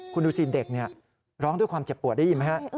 คุณดูสิเด็กร้องด้วยความเจ็บปวดได้ยินไหมฮะ